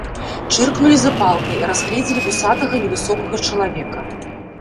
Чыркнулі запалкай, разгледзелі вусатага невысокага чалавека.